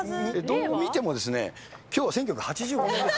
どう見てもですね、きょうは１９８５年です。